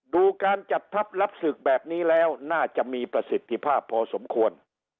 ดูการจัดทัพรับศึกแบบนี้แล้วน่าจะมีประสิทธิภาพพอสมควร